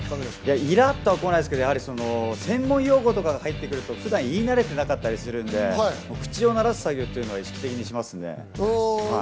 イラっとはこないですけれども、専門用語が入ってくると普段言い慣れてなかったりするんで、口をならす作業を意識的にしますよね。